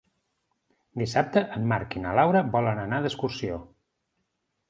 Dissabte en Marc i na Laura volen anar d'excursió.